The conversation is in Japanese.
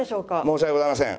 申し訳ございません。